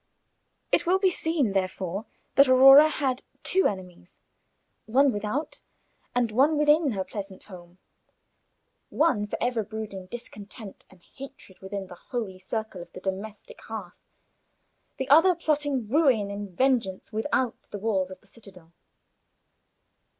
It will be seen, therefore, that Aurora had two enemies, one without and one within her pleasant home; one for ever brooding discontent and hatred within the holy circle of the domestic hearth, the other plotting ruin and vengeance without the walls of the citadel.